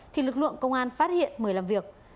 thì lực lượng công an phát hiện mời làm việc